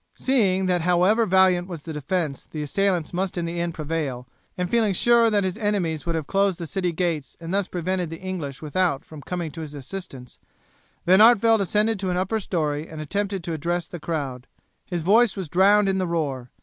Seeing that however valiant was the defence the assailants must in the end prevail, and feeling sure that his enemies would have closed the city gates and thus prevented the English without from coming to his assistance, Van Artevelde ascended to an upper storey and attempted to address the crowd. His voice was drowned in the roar.